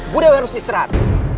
bu dewi harus istirahat